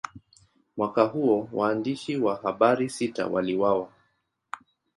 Mwaka huo, waandishi wa habari sita waliuawa.